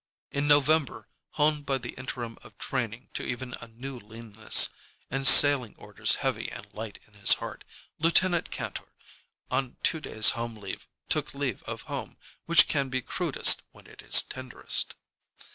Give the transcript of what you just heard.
In November, honed by the interim of training to even a new leanness, and sailing orders heavy and light in his heart, Lieutenant Kantor, on two days' home leave, took leave of home, which can be crudest when it is tenderest.